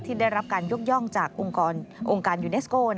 ได้รับการยกย่องจากองค์การยูเนสโก้